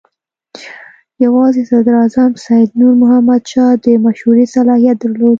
یوازې صدراعظم سید نور محمد شاه د مشورې صلاحیت درلود.